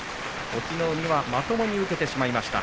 隠岐の海はまともに受けてしまいました。